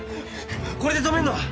これでとめんのは？